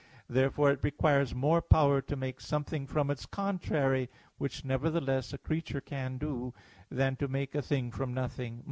Therefore it requires more power to make (something) from its contrary, which nevertheless a creature can do, than to make a thing from nothing.